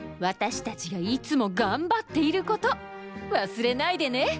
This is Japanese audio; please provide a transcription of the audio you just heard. わたしたちがいつもがんばっていることわすれないでね！